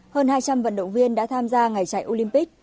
hơn hai trăm linh vận động viên đã tham gia ngày chạy olympic